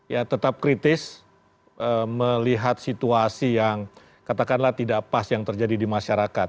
ya tetap kritis melihat situasi yang katakanlah tidak pas yang terjadi di masyarakat